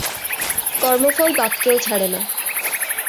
কর্মফল বাপকেও ছাড়ে না।